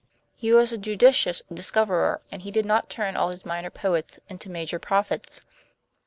He was a judicious discoverer, and he did not turn all his minor poets into major prophets.